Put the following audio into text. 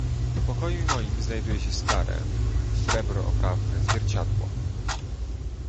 "W pokoju moim znajduje się stare, w srebro oprawne zwierciadło."